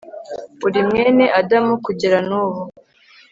uri mwene adamu kugera nubu